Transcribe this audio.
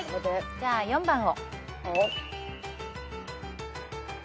じゃあ４番を。